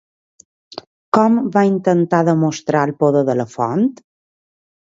Com va intentar demostrar el poder de la font?